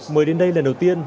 mới đến đây lần đầu tiên